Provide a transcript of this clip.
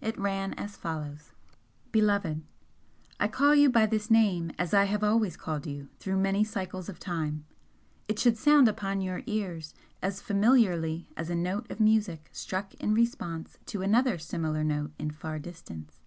It ran as follows: Beloved, I call you by this name as I have always called you through many cycles of time, it should sound upon your ears as familiarly as a note of music struck in response to another similar note in far distance.